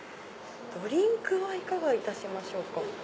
ドリンクはいかがいたしましょうか？